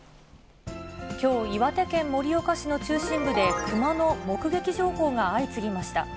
きょう、岩手県盛岡市の中心部で熊の目撃情報が相次ぎました。